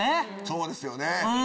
そうですよね。